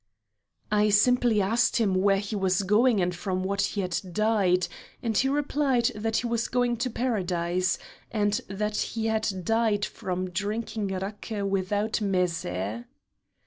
"I simply asked him where he was going and from what he had died, and he replied he was going to Paradise, and that he had died from drinking raki without a mézé."